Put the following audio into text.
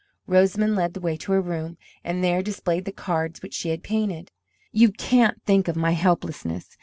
Rosamond led the way to her room, and there displayed the cards which she had painted. "You can't think of my helplessness!